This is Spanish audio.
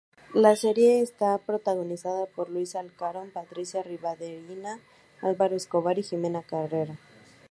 La serie está protagonizada por Luis Alarcón, Patricia Rivadeneira, Álvaro Escobar y Ximena Carrera.